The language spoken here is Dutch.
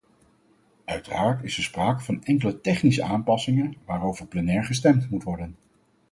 Uiteraard is er sprake van enkele technische aanpassingen waarover plenair gestemd moet worden.